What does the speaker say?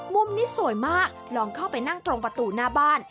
มุมนี้สวยมากลองเข้าไปนั่งตรงประตูหน้าบ้าน